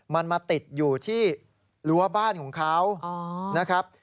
มันมาติดอยู่ที่รั้วบ้านของเขานะครับ